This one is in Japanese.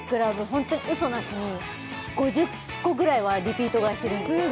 本当に嘘なしに５０個ぐらいはリピート買いしてるんですよ